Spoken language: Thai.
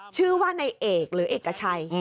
ชื่อว่านายเอกหรือเอกชัย